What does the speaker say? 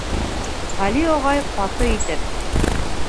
Гәли ағай, ҡаты итеп: